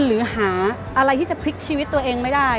หรือหาอะไรที่จะพลิกชีวิตตัวเองไม่ได้